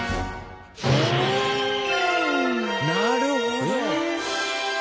なるほど！